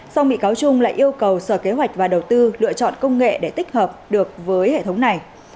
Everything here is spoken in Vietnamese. song bị cáo trung lại yêu cầu sở kế hoạch và đầu tư lựa chọn công nghệ để tích hợp được với hệ thống này